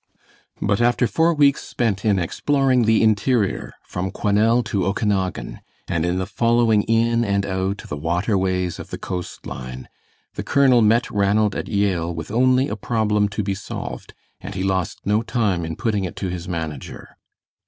But after four weeks spent in exploring the interior, from Quesnelle to Okanagan, and in the following in and out the water ways of the coast line, the colonel met Ranald at Yale with only a problem to be solved, and he lost no time in putting it to his manager.